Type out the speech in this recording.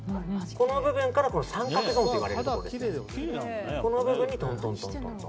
この部分から三角ゾーンといわれるところこの部分にトントントン。